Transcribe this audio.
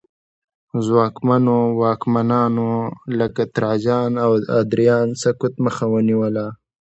ځواکمنو واکمنانو لکه تراجان او ادریان سقوط مخه ونیوله